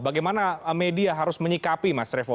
bagaimana media harus menyikapi mas revo